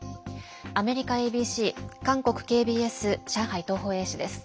アメリカＡＢＣ、韓国ＫＢＳ上海東方衛視です。